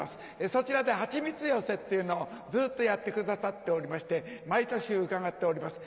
そちらではちみつ寄席っていうのをずっとやってくださっておりまして毎年伺っております。